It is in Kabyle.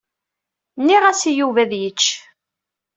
Nniɣ-as i Yuba ad t-yečč.